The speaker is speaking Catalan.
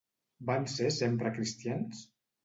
Van ser sempre cristians?